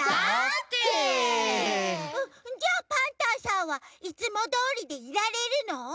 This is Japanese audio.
じゃあパンタンさんはいつもどおりでいられるの？